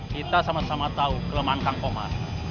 kita sama sama tau kelemahan kang komar